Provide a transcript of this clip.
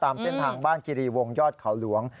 ตามเส้นทางบ้านคิรีวงยอดเขาหลวง